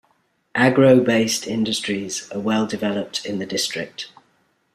Agro-based industries are well developed in the district.